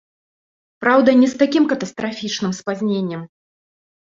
Праўда, не з такім катастрафічным спазненнем.